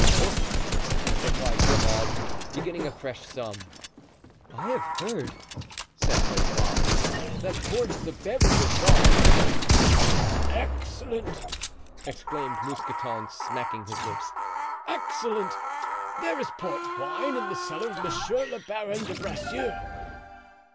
"Port!" replied Grimaud, beginning a fresh sum. "I have heard," said Blaisois, "that port is a very good wine." "Excellent!" exclaimed Mousqueton, smacking his lips. "Excellent; there is port wine in the cellar of Monsieur le Baron de Bracieux."